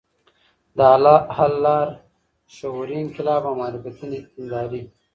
د حل لار: شعوري انقلاب او معرفتي دینداري